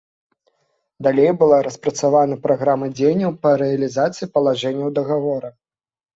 Далей была распрацавана праграма дзеянняў па рэалізацыі палажэнняў дагавора.